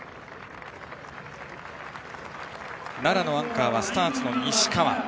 奈良のアンカーはスターツの西川。